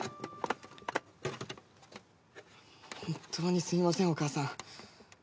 本当にすいませんお母さん。